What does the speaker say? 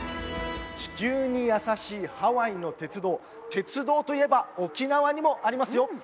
地球に優しいハワイの鉄道鉄道といえば沖縄にもありますよ